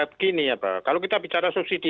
begini kalau kita bicara subsidi